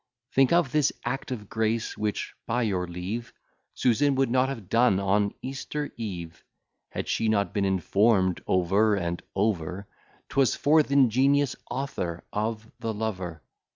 Think of this act of grace, which by your leave Susan would not have done on Easter Eve, Had she not been inform'd over and over, 'Twas for th'ingenious author of The Lover.